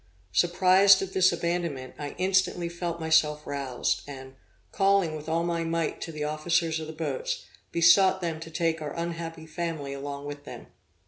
Surprised at this abandonment, I instantly felt myself roused, and, calling with all my might to the officers of the boats, besought them to take our unhappy family along with them.